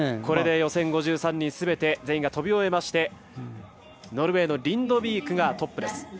これで予選５３人全員が飛び終えましてノルウェーのリンドビークがトップです。